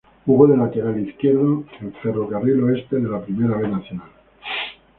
Jugó de lateral izquierdo en Ferro Carril Oeste de la Primera B Nacional.